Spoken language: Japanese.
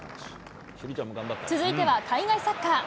続いては海外サッカー。